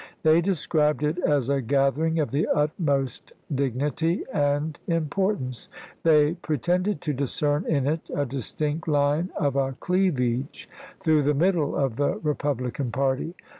They described it as a gathering of the utmost dignity and importance ; they pre tended to discern in it a distinct line of cleavage through the middle of the Republican party.